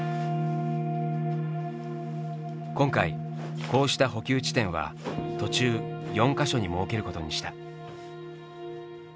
今回こうした補給地点は途中４か所に設けることにした。